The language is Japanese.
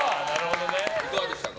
いかがでしたか？